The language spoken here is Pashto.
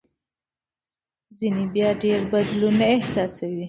ځینې بیا ډېر بدلون نه احساسوي.